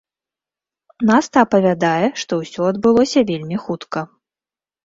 Наста апавядае, што ўсё адбылося вельмі хутка.